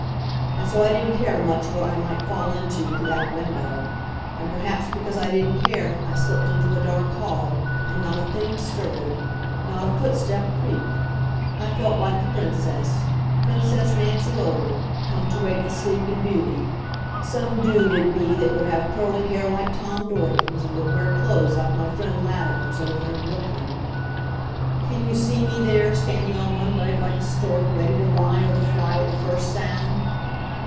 And so I didn't care much what I might fall into through that window. And perhaps because I didn't care, I slipped into a dark hall, and not a thing stirred; not a footstep creaked. I felt like the Princess Princess Nancy Olden come to wake the Sleeping Beauty; some dude it'd be that would have curly hair like Tom Dorgan's, and would wear clothes like my friend Latimer's, over in Brooklyn. Can you see me there, standing on one leg like a stork, ready to lie or to fly at the first sound?